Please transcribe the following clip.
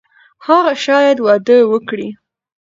هغه شاید واده وکړي.